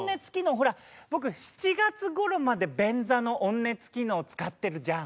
ほら僕７月頃まで便座の温熱機能使ってるじゃん。